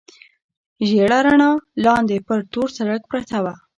ژېړه رڼا، لاندې پر تور سړک پرته وه.